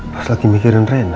pas lagi mikirin rena